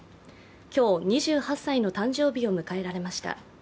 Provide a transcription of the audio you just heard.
今日、２８歳の誕生日を迎えられました。